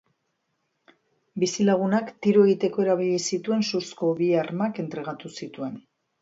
Bizilagunak, tiro egiteko erabili zituen suzko bi armak entregatu zituen.